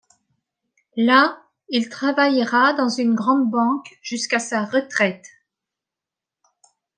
Là, il travaillera dans une grande banque jusqu'à sa retraite.